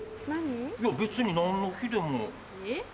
いや別に何の日でも。